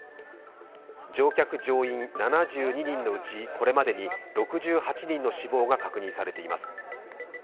乗客・乗員７２人のうちこれまでに６８人の死亡が確認されています。